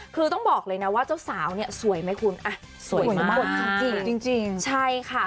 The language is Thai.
คือต้องบอกเลยนะว่าเจ้าสาวเนี่ยสวยไหมคุณอ่ะสวยมากจริงจริงใช่ค่ะ